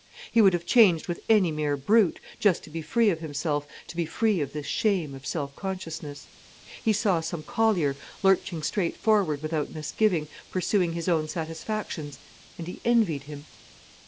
He would have changed with any mere brute, just to be free of himself, to be free of this shame of self consciousness. He saw some collier lurching straight forward without misgiving, pursuing his own satisfactions, and he envied him.